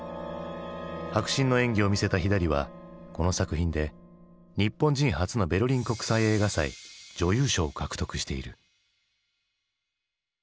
迫真の演技を見せた左はこの作品で日本人初のベルリン国際映画祭女優賞を獲得している。